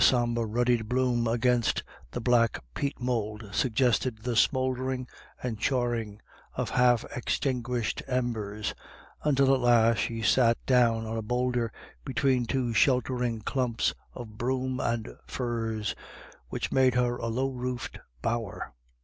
sombre ruddy bloom against the black peat mould suggested the smouldering and charring of half extinguished embers, until at last she sat down on a boulder between two sheltering clumps of broom and furze, which made her a low roofed bower.